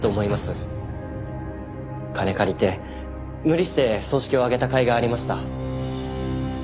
金借りて無理して葬式を挙げたかいがありました。